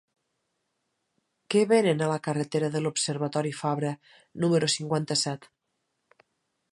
Què venen a la carretera de l'Observatori Fabra número cinquanta-set?